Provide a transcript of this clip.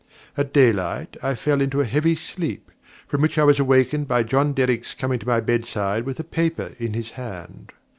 At daylight, I fell into a heavy sleep, from which I was awakened by John Derrick's coming to my bedside with a paper in his hand.